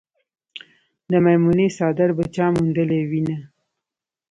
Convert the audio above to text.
د میمونې څادر به چا موندلې وينه